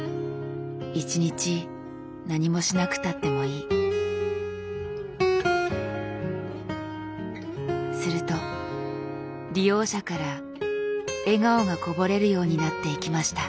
「一日何もしなくたってもいい」。すると利用者から笑顔がこぼれるようになっていきました。